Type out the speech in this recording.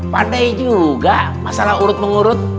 partai juga masalah urut mengurut